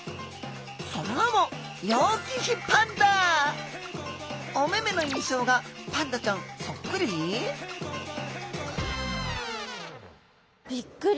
その名もお目目の印象がパンダちゃんそっくり？ビックリ。